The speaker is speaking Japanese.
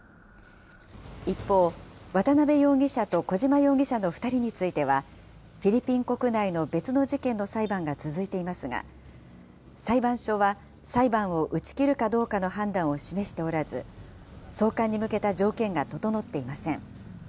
一方、渡邉容疑者と小島容疑者の２人については、フィリピン国内の別の事件の裁判が続いていますが、裁判所は裁判を打ち切るかどうかの判断を示しておらず、送還に向けた条件が整っていません。